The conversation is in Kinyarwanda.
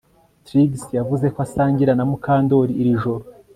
Trix yavuze ko asangira na Mukandoli iri joro